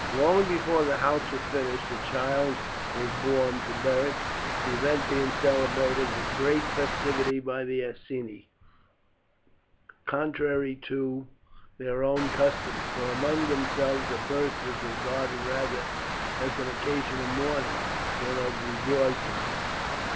Long before the house was finished a child was born to Beric, the event being celebrated with great festivity by the Iceni, contrary to their own customs, for among themselves a birth was regarded rather as an occasion of mourning than of rejoicing.